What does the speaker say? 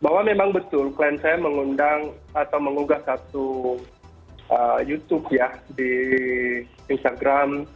bahwa memang betul klien saya mengundang atau mengunggah satu youtube ya di instagram